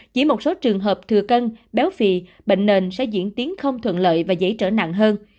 chỉ một số trường hợp thừa cân béo phì bệnh nền sẽ diễn tiến không thuận lợi và dễ trở nặng hơn